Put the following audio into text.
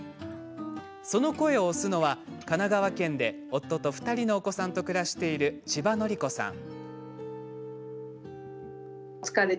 その声を推すのは、神奈川県で夫と２人のお子さんと暮らしている千葉賀子さん。